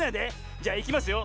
じゃいきますよ。